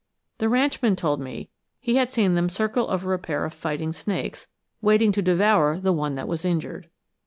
The ranchman told me he had seen them circle over a pair of fighting snakes, waiting to devour the one that was injured.